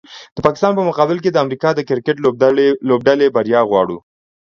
د پاکستان په مقابل کې د امریکا د کرکټ لوبډلې بریا غواړو